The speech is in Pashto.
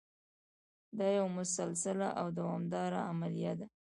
دا یوه مسلسله او دوامداره عملیه ده.